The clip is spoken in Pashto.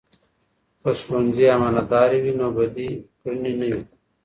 که ښوونځي امانتدار وي، نو بدې کړنې نه وي.